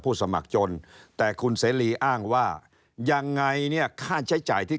สมัครจนแต่คุณเสรีอ้างว่ายังไงเนี่ยค่าใช้จ่ายที่